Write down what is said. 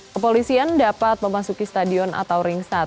kepolisian dapat memasuki stadion atau ring start